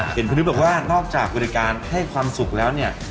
เห็นพี่นุ้ยบอกว่านอกจากวิธีการให้ความสุขแล้วเนี่ย